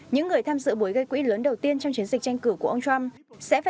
những người tham dự buổi gây quỹ lớn đầu tiên trong chiến dịch tranh cử của ông trump